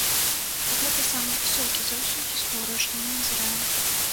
Гэта самы высокі за ўсю гісторыю, што мы назіраем.